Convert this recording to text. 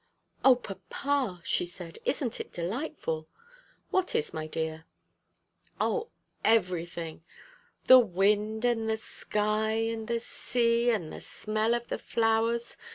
"O, papa!" she said, "isn't it delightful?" "What is, my dear?" "O, everything. The wind, and the sky, and the sea, and the smell of the flowers.